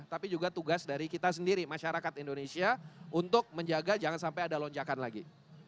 tapi juga tugas dari kita sendiri masyarakat indonesia untuk menjaga jangan sampai ada lonjakan lagi